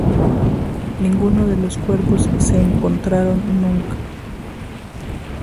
Ninguno de los cuerpos se encontraron nunca.